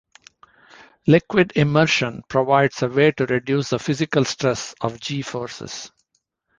Liquid immersion provides a way to reduce the physical stress of G forces.